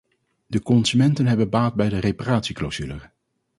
De consumenten hebben baat bij de reparatieclausule.